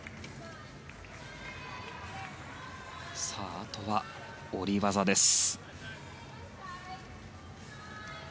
あとは、下り技です。